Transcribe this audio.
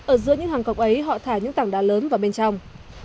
ở giữa những hàng cọc ấy họ thả những tảng đá lớn vào bên trong